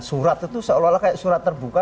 surat itu seolah olah kayak surat terbuka